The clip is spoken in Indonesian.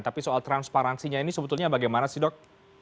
tapi soal transparansinya ini sebetulnya bagaimana sih dok